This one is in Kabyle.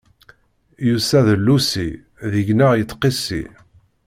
Yusa d llusi, deg-neɣ ittqissi.